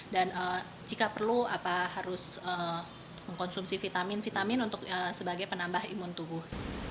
dan jika perlu harus mengkonsumsi vitamin vitamin untuk sebagai penambah imun tubuh